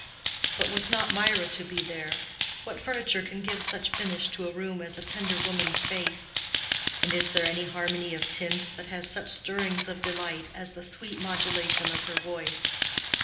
But was not Mirah to be there? What furniture can give such finish to a room as a tender woman's face?—and is there any harmony of tints that has such stirrings of delight as the sweet modulation of her voice?